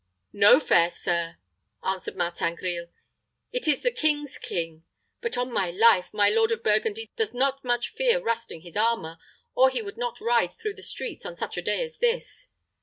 "No, fair sir," answered Martin Grille. "It is the king's king. But, on my life, my lord of Burgundy does not much fear rusting his armor, or he would not ride through the streets on such a day as this."